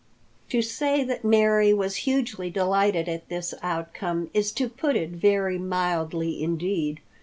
To say that Mary was hugely delighted at this outcome is to put it very mildly indeed.